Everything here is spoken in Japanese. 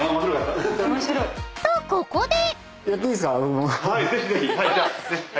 ［とここで］